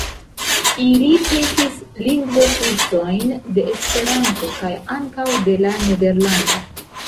Ili petis lingvokursojn de Esperanto kaj ankaŭ de la nederlanda.